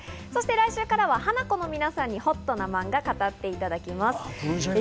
来週からはハナコの皆さんにほっとな漫画を語っていただきます。